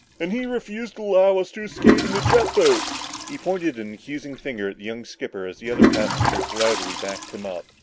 "And he refused to allow us to escape in the jet boats!" He pointed an accusing finger at the young skipper as the other passengers loudly backed him up.